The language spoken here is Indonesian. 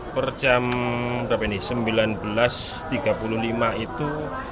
per jam berapa ini sembilan belas tiga puluh lima itu